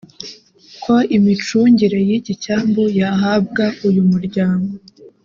ko imicungire y’iki cyambu yahabwa uyu muryango